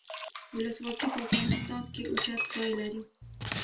ولسواکي په افغانستان کې اوچت ځای لري.